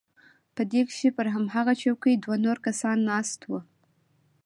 په دې کښې پر هماغه چوکۍ دوه نور کسان ناست وو.